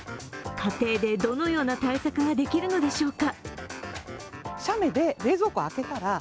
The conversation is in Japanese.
家庭でどのような対策ができるのでしょうか。